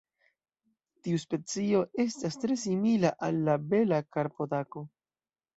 Tiu specio estas tre simila al la Bela karpodako.